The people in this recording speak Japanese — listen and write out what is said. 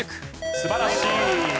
素晴らしい。